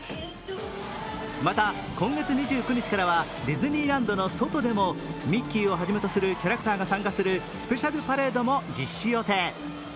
また今月２９日からはディズニーランドの外でもミッキーをはじめとするキャラクターが参加するスペシャルパレードも実施予定。